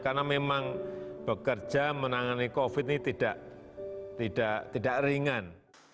karena memang bekerja menangani covid ini tidak ringan